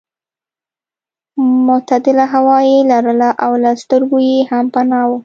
معتدله هوا یې لرله او له سترګو یې هم پناه وه.